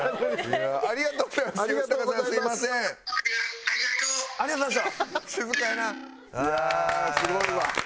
いやあすごいわ。